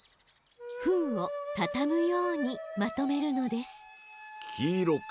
フンをたたむようにまとめるのです黄色か。